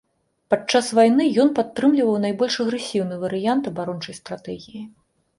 Падчас вайны ён падтрымліваў найбольш агрэсіўны варыянт абарончай стратэгіі.